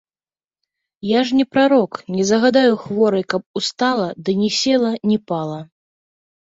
Я ж не прарок, не загадаю хворай, каб устала ды ні села, ні пала.